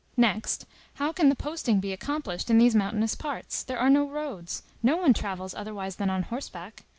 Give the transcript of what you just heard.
Next, how can the posting be accomplished in these mountainous parts? There are no roads. No one travels otherwise than on horseback.